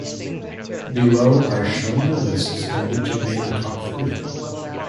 Below are shown the lists in which it made the top three.